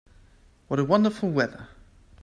What a wonderful weather!